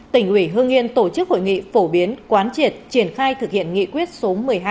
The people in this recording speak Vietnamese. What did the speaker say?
tỉnh ủy hương yên tổ chức hội nghị phổ biến quán triệt triển khai thực hiện nghị quyết số một mươi hai